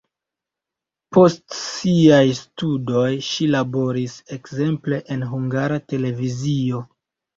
Post siaj studoj ŝi laboris ekzemple en Hungara Televizio.